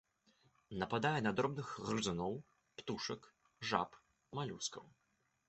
Нападае на дробных грызуноў, птушак, жаб, малюскаў.